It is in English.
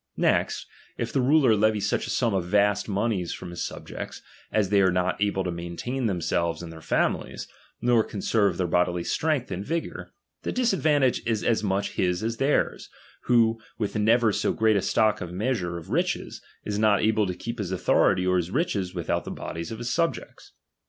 Next, if the ruler levy such a sum of vast moneys from his subjects, as they are not able to maintain themselves and their families, nor conserve their bodily strength and vigor, the disadvantage is as much his as theirs, who, with never so great a stock or measure of riches, is not able to keep his authority or his riches without the bodies of his subjects.